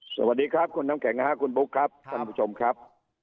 สวัสดีครับคุณน้ำแข็งคุณบุ๊คครับท่านผู้ชมครับ